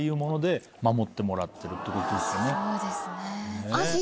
そうですね。